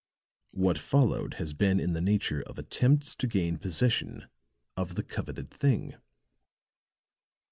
What followed has been in the nature of attempts to gain possession of the coveted thing."